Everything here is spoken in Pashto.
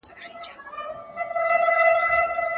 دا ښيي چې ټولنه پرمختګ ته څه ګامونه اخيستي.